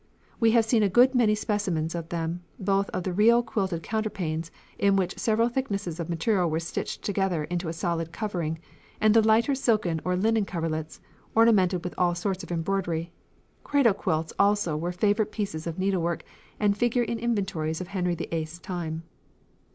We have seen a good many specimens of them, both of the real quilted counterpanes, in which several thicknesses of material were stitched together into a solid covering, and the lighter silken or linen coverlets ornamented with all sorts of embroidery. Cradle quilts also were favourite pieces of needlework and figure in inventories of Henry VIII's time.